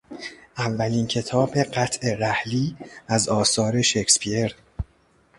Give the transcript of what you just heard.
اولین کتاب قطع رحلی از آثار شکسپیر